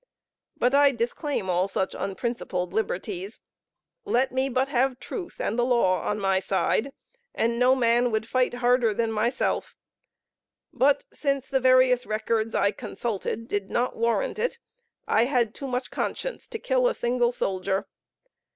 But I disclaim all such unprincipled liberties: let me but have truth and the law on my side, and no man would fight harder than myself, but since the various records I consulted did not warrant it, I had too much conscience to kill a single soldier.